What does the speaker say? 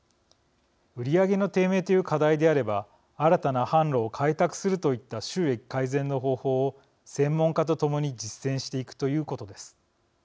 売り上げの低迷という課題であれば新たな販路を開拓するといった収益改善の方法を専門家と共に実践していくということです。